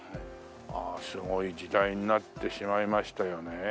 ああすごい時代になってしまいましたよね。